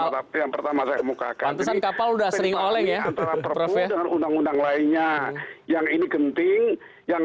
tadi yang pertama saya mukakan kapal udah sering oleh ya perang lainnya yang ini genting yang